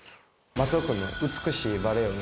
松尾君の美しいバレエをね